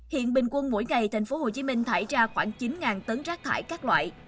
hiện bình quân mỗi ngày tp hcm thải ra khoảng chín tấn rác thải các loại